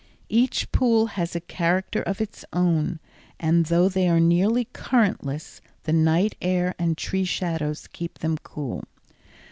Each pool has a character of its own and, though they are nearly currentless, the night air and tree shadows keep them cool.